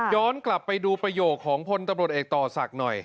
กลับไปดูประโยคของพลตำรวจเอกต่อศักดิ์หน่อย